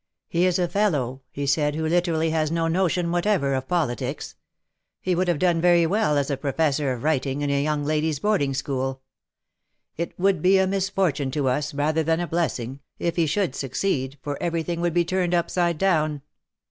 ^^He is a fellow," he said, ^Gvho literally has no notion Avhatever of politics. He Avould have done very Avell as a professor of Avriting in a young ladies' boarding school. It Avould be a misfortune to us, rather than a blessing, if he should succeed, for everything would be turned upside down.